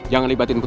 jangan libatin aku